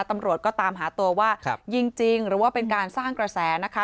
ตำรวจก็ตามหาตัวว่ายิงจริงหรือว่าเป็นการสร้างกระแสนะคะ